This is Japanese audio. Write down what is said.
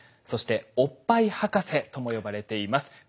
そして「おっぱい博士」とも呼ばれています